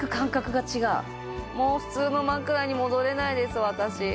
もう普通の枕に戻れないです私。